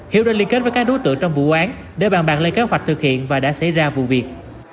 hiếu đã liên kết với các đối tượng trong vụ án để bàn bạc lên kế hoạch thực hiện và đã xảy ra vụ việc